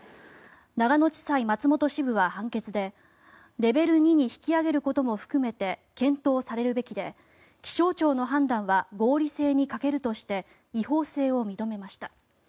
長野地裁松本支部は判決でレベル２に引き上げることも含めて検討されるべきで気象庁の判断は合理性に欠けるとして違法性を認めました。